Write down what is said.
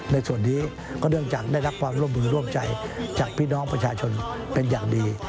ในส่วนนี้ที่ได้รักความร่วมเพลงร่วมใจจากพี่น้องประชาชนเป็นอย่างดี